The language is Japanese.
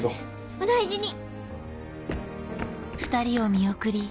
お大事に！